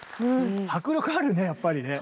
迫力あるねやっぱりね。